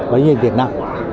vậy như việt nam